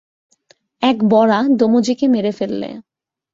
এক বরাহ দমুজিকে মেরে ফেললে।